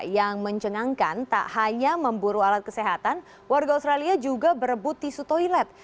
yang mencengangkan tak hanya memburu alat kesehatan warga australia juga berebut tisu toilet